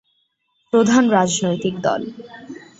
প্রধান রাজনৈতিক দল।